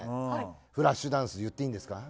『フラッシュダンス』言っていいんですか？